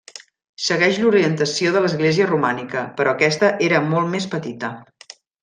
Segueix l'orientació de l'església romànica, però aquesta era molt més petita.